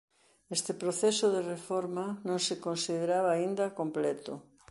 Este proceso de reforma non se consideraba aínda completo.